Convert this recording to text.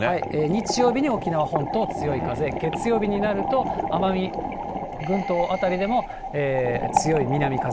日曜日に沖縄本島、強い風、月曜日になると奄美群島辺りでも強い南風。